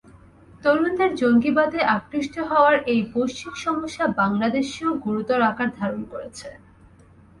তরুণদের জঙ্গিবাদে আকৃষ্ট হওয়ার এই বৈশ্বিক সমস্যা বাংলাদেশেও গুরুতর আকার ধারণ করেছে।